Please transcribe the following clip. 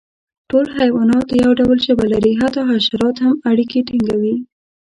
ټول حیوانات یو ډول ژبه لري، حتی حشرات هم اړیکه ټینګوي.